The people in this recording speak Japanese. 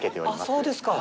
あっ、そうですか。